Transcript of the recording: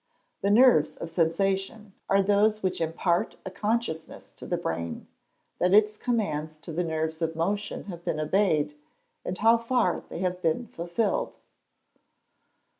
_ The nerves of sensation are those which impart a consciousness to the brain that its commands to the nerves of motion have been obeyed, and how far they have been fulfilled.